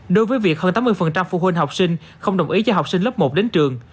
đối với việc hơn tám mươi phụ huynh học sinh không đồng ý cho học sinh lớp một đến trường